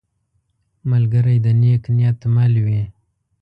ملګری د نیک نیت مل وي